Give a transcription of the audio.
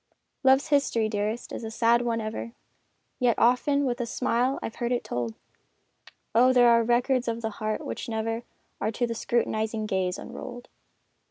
Love's history, dearest, is a sad one ever, Yet often with a smile I've heard it told! Oh, there are records of the heart which never Are to the scrutinizing gaze unrolled!